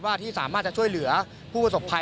ที่สามารถจะช่วยเหลือผู้ประสบภัย